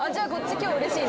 今日うれしいね。